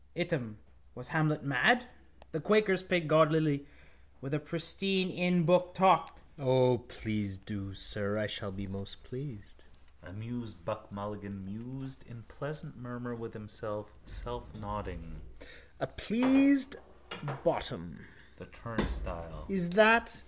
Item: was Hamlet mad? The quaker's pate godlily with a priesteen in booktalk. —O please do, sir... I shall be most pleased... Amused Buck Mulligan mused in pleasant murmur with himself, selfnodding: —A pleased bottom. The turnstile. Is that?...